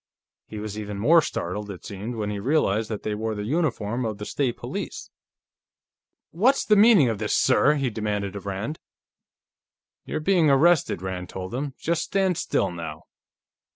He was even more startled, it seemed, when he realized that they wore the uniform of the State Police. "What.... What's the meaning of this, sir?" he demanded of Rand. "You're being arrested," Rand told him. "Just stand still, now."